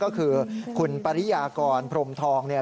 ก็คือคุณปริยากรพรมทองเนี่ย